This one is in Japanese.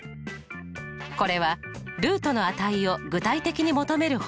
これはルートの値を具体的に求める方法です。